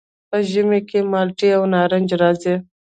په ژمي کې مالټې او نارنج راځي.